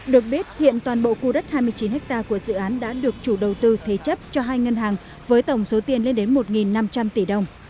được biết hiện toàn bộ khu đất hai mươi chín ha của dự án đã được chủ đầu tư thế chấp cho hai ngân hàng với tổng số tiền lên đến một năm trăm linh tỷ đồng